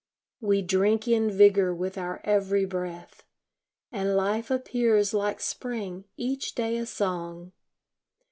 We drink in vigor with our every breath, And life appears like spring, each day a song.